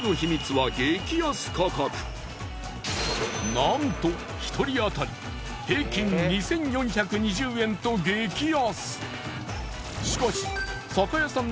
なんと１人あたり平均２，４２０円と激安。